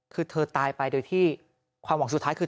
คือเธอตายไปโดยที่ความหวังสุดท้ายคือ